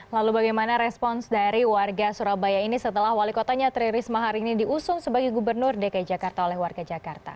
lalu bagaimana respons dari warga surabaya ini setelah wali kotanya tri risma hari ini diusung sebagai gubernur dki jakarta oleh warga jakarta